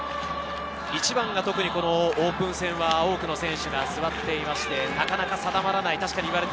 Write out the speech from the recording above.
１番が特にオープン戦は多くの選手が座っていまして、なかなか定まらない。